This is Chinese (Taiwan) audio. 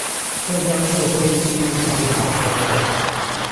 會將這個會議紀錄整理好之後